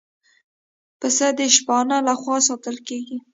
پسه د شپانه له خوا ساتل کېږي.